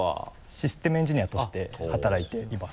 システムエンジニアとして働いています。